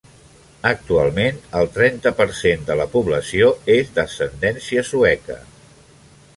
Actualment, el trenta per cent de la població és d'ascendència sueca.